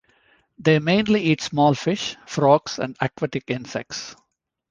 They mainly eat small fish, frogs and aquatic insects.